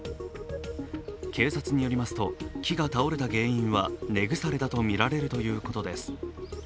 警察によりますと木が倒れた原因は根腐れだとみられるということです。